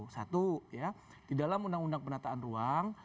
satu ya di dalam undang undang penataan ruang